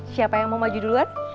siapa yang mau maju duluan